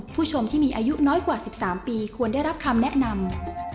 ผู้ชมที่มีอายุน้อยกว่า๑๓ปีควรได้รับคำแนะนำ